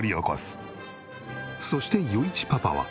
そして余一パパは。